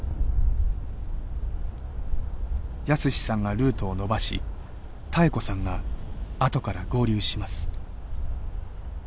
泰史さんがルートを延ばし妙子さんが後から合流します。